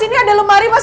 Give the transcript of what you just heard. ini ada lemari mas